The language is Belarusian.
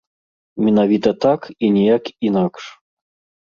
Менавіта так і ніяк інакш.